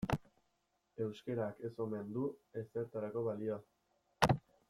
Euskarak ez omen du ezertarako balio.